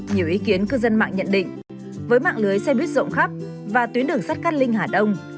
nhiều ý kiến cư dân mạng nhận định với mạng lưới xe buýt rộng khắp và tuyến đường sắt cát linh hà đông